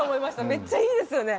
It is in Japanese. めっちゃいいですよね！